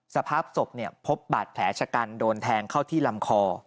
สภาพศพพบบาดแผลชะกันโดนแทงเข้าที่ลำคอ